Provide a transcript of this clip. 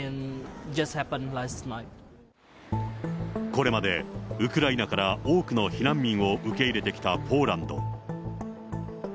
これまでウクライナから多くの避難民を受け入れてきたポーランド。